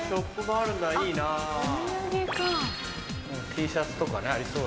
Ｔシャツとかねありそう。